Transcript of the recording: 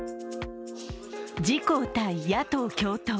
自・公対野党共闘。